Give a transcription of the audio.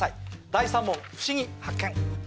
第３問ふしぎ発見！